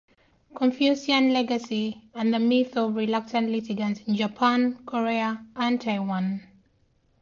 Confucian legacy and the myth of reluctant litigants in Japan, Korea, and Taiwan.